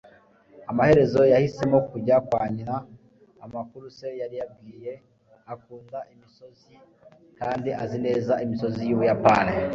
amaherezo yahisemo kujya kwa nyina amakuru se yari yabwiye. akunda imisozi kandi azi neza imisozi yubuyapani